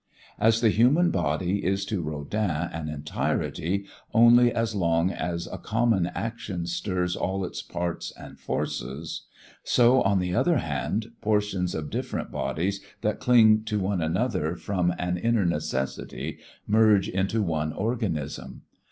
As the human body is to Rodin an entirety only as long as a common action stirs all its parts and forces, so on the other hand portions of different bodies that cling to one another from an inner necessity merge into one organism.